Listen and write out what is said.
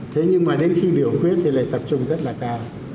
thế nhưng mà đến khi biểu quyết thì lại tập trung rất là cao